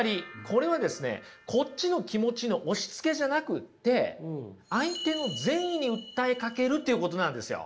これはこっちの気持ちの押しつけじゃなくて相手の善意に訴えかけるということなんですよ。